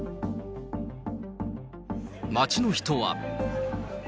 街の人は。